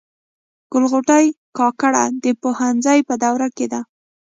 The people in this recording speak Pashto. ګل غوټۍ کاکړه د پوهنځي په دوره کي ده.